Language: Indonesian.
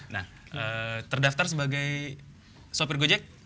nah terdaftar sebagai sopir gojek